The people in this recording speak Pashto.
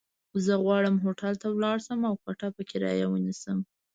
زه غواړم هوټل ته ولاړ شم، او کوټه په کرايه ونيسم.